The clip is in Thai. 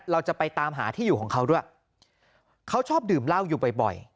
เราจะไปตามหาที่อยู่ของเขาด้วยเขาชอบดื่มเหล้าอยู่บ่อย